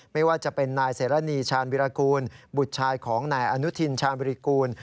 ไม่ว่าจะเป็นนายเสรณีชาญวิรากูลบุตรชายของนายอนุทินชาญบริกูล